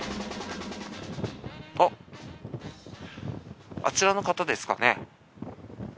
あっあちらの方ですかね。